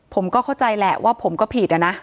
ผมก็เข้าใจแหละว่าผมก็ผิดอะนะ